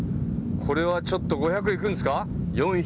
これはちょっと５００いくんですか？